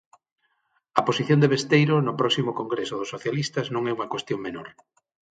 A posición de Besteiro no próximo congreso dos socialistas non é unha cuestión menor.